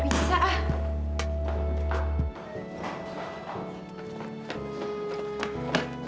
gak bisa ah